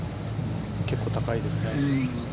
結構高いですね。